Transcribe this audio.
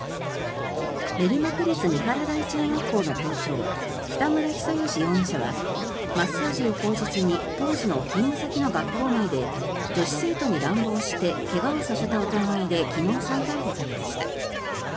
練馬区立三原台中学校の校長北村比左嘉容疑者はマッサージを口実に当時の勤務先の学校内で女子生徒に乱暴して怪我をさせた疑いで昨日、再逮捕されました。